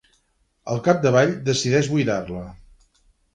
Al capdavall, decideix buidar-la.